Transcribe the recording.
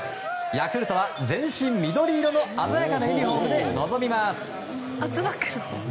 ヤクルトは全身緑色の鮮やかなユニホームで臨みます。